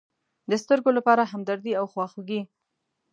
د سترگو لپاره همدردي او خواخوږي.